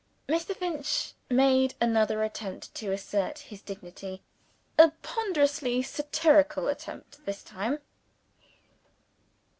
Mr. Finch made another attempt to assert his dignity a ponderously satirical attempt, this time.